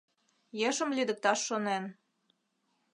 Ешым лӱдыкташ шонен.